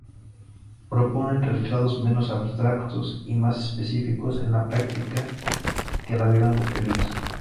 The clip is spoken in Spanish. Proponen resultados menos abstractos y más específicos en la práctica que las grandes teorías.